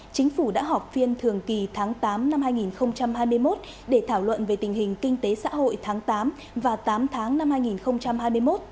chính phủ đã họp phiên thường kỳ tháng tám năm hai nghìn hai mươi một để thảo luận về tình hình kinh tế xã hội tháng tám và tám tháng năm hai nghìn hai mươi một